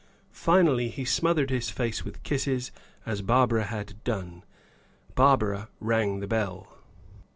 Finally he smothered his face with kisses, as Barbara had done. Barbara rang the bell.